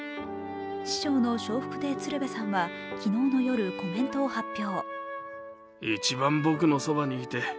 師匠の笑福亭鶴瓶さんは昨日の夜、コメントを発表。